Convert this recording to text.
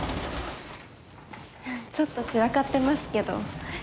ちょっと散らかってますけど。